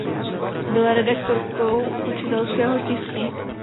Byla redaktorkou učitelského tisku.